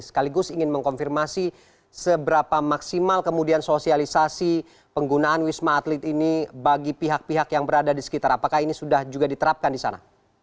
sekaligus ingin mengkonfirmasi seberapa maksimal kemudian sosialisasi penggunaan wisma atlet ini bagi pihak pihak yang berada di sekitar apakah ini sudah juga diterapkan di sana